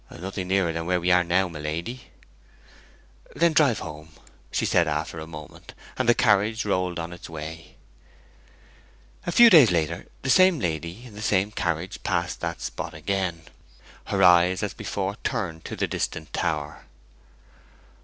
'Nothing nearer than where we are now, my lady.' 'Then drive home,' she said after a moment. And the carriage rolled on its way. A few days later, the same lady, in the same carriage, passed that spot again. Her eyes, as before, turned to the distant tower.